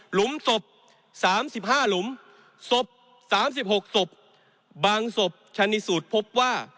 หลุมศพ๓๕หลุมศพ๓๖ศพบางศพชันสูตรพบว่า